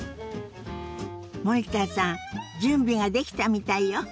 森田さん準備ができたみたいよ。